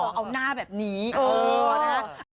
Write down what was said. ครับว่าแบบนี้โอ้นะครับ